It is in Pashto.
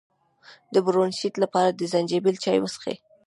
د برونشیت لپاره د زنجبیل چای وڅښئ